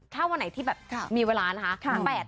ถ้าวันไหนที่แบบมีเวลานะคะ